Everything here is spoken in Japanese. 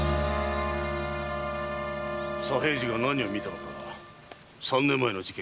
左平次が何を見たのか三年前の事件